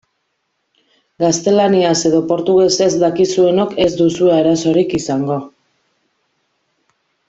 Gaztelaniaz edo portugesez dakizuenok ez duzue arazorik izango.